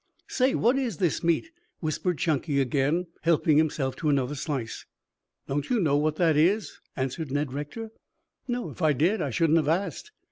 "Say, what is this meat?" whispered Chunky again, helping himself to another slice. "Don't you know what that is?" answered Ned Rector. "No. If I did, I shouldn't have asked."